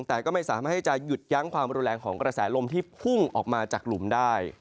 แต่ก็ไม่สามารถที่จะหยุดยั้งความรุนแรงของกระแสลมที่พุ่งออกมาจากหลุมได้